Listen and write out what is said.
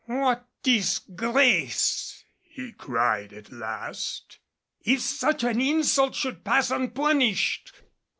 "What disgrace," he cried at last, "if such an insult should pass unpunished!